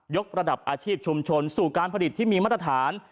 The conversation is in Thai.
กระดับอาชีพชุมชนสู่การผลิตที่มีมาตรฐาน